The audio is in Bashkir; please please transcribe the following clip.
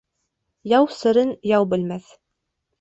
Яу серен яу белмәҫ.